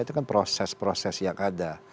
itu kan proses proses yang ada